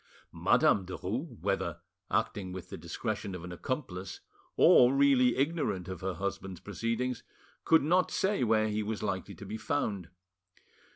Madame Derues, whether acting with the discretion of an accomplice or really ignorant of her husband's proceedings, could not say where he was likely to be found.